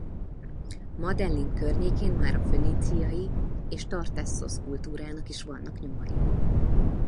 Medellín környékén már a föníciai és tartesszosz-kultúrának is vannak nyomai.